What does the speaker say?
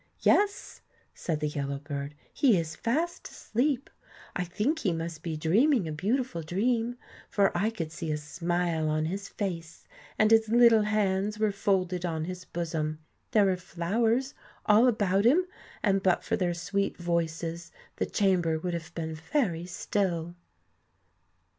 "Yes," said the yellow bird, "he is fast asleep. I think he must be dreaming a beautiful dream, for I could see a smile on his face, and his little hands were folded on his bosom. There were flowers all about him, and but for their sweet voices the chamber would have been very still."